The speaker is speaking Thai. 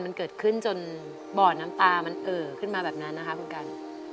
มันเกิดขึ้นจนบ่อน้ำตามันเอ่อขึ้นมาแบบนั้นนะคะคุณกัน